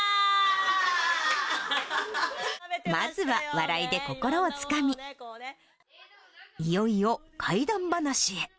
まずは笑いで心をつかみ、いよいよ怪談話へ。